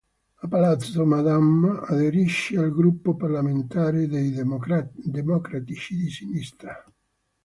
A Palazzo Madama aderisce al gruppo parlamentare dei Democratici di Sinistra.